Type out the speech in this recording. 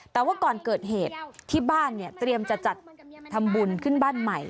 แต่ว่าก่อนเกิดเหตุที่บ้านเนี่ยเตรียมจะจัดทำบุญขึ้นบ้านใหม่